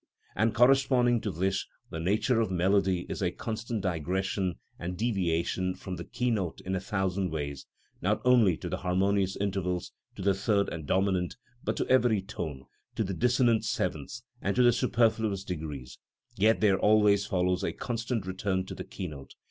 And corresponding to this the nature of melody is a constant digression and deviation from the key note in a thousand ways, not only to the harmonious intervals to the third and dominant, but to every tone, to the dissonant sevenths and to the superfluous degrees; yet there always follows a constant return to the key note.